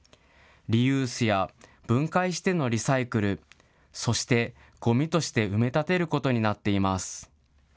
リユースや分解してのリサイクル、そしてごみとして埋め立てることになっています。